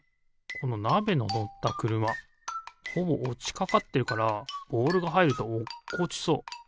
このなべののったくるまほぼおちかかってるからボールがはいるとおっこちそう。